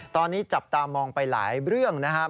ตอนนี้จับตามองไปหลายเรื่องนะครับ